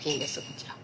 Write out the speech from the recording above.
こちら。